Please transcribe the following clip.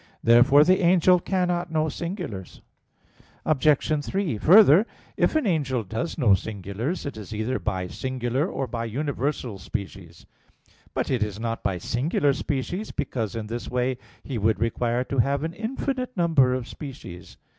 Therefore the angel cannot know singulars. Obj. 3: Further, if an angel does know singulars, it is either by singular or by universal species. It is not by singular species; because in this way he would require to have an infinite number of species.